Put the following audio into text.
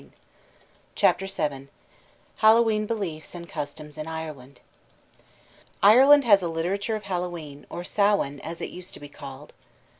] CHAPTER VII HALLOWE'EN BELIEFS AND CUSTOMS IN IRELAND Ireland has a literature of Hallowe'en, or "Samhain," as it used to be called.